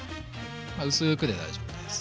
まあ薄くで大丈夫です。